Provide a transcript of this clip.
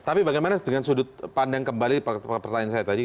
tapi bagaimana dengan sudut pandang kembali pertanyaan saya tadi